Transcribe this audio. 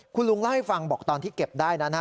คุณลุงเล่าให้ฟังบอกตอนที่เก็บได้นั้น